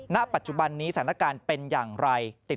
ณปัจจุบันนี้สถานการณ์เป็นอย่างไรติด